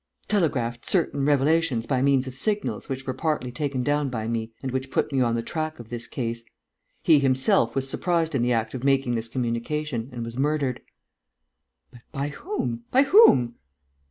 telegraphed certain revelations by means of signals which were partly taken down by me and which put me on the track of this case. He himself was surprised in the act of making this communication and was murdered." "But by whom? By whom?"